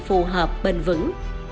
phù hợp bền vững